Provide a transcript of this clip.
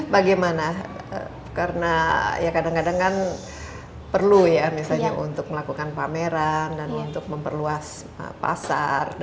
bagaimana karena ya kadang kadang kan perlu ya misalnya untuk melakukan pameran dan untuk memperluas pasar